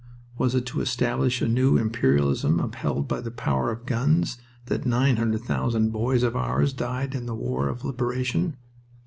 Was it to establish a new imperialism upheld by the power of guns that 900,000 boys of ours died in the war of liberation?